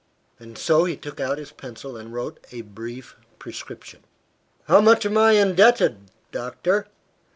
And so he took out his pencil and wrote a brief prescription. "How much am I indebted, doctor?"